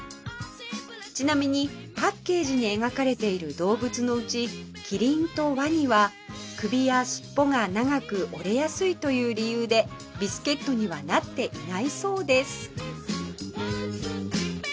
ちなみにパッケージに描かれている動物のうちキリンとワニは首や尻尾が長く折れやすいという理由でビスケットにはなっていないそうです